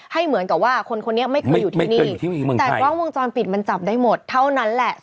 เหมือนกับว่าคนคนนี้ไม่เคยอยู่ที่นี่แต่กล้องวงจรปิดมันจับได้หมดเท่านั้นแหละ